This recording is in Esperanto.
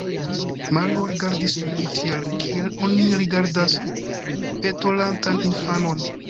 Mario rigardis lin tiel, kiel oni rigardas petolantan infanon.